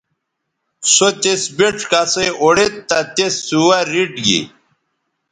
سو تس بِڇ کسئ اوڑید تہ تس سوہ ریٹ گی